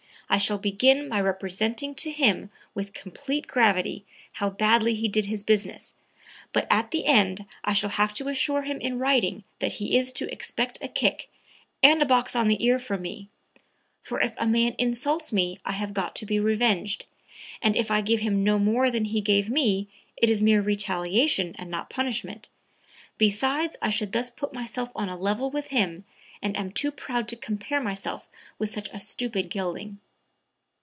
I shall begin by representing to him, with complete gravity, how badly he did his business, but at the end I shall have to assure him in writing that he is to expect a kick...and a box on the ear from me; for if a man insults me I have got to be revenged, and if I give him no more than he gave me, it is mere retaliation and not punishment. Besides I should thus put myself on a level with him, and I am too proud to compare myself with such a stupid gelding."